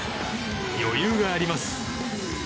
余裕があります。